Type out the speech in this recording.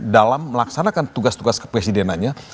dalam melaksanakan tugas tugas kepresidenannya